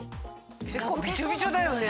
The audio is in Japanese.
結構ビチョビチョだよね。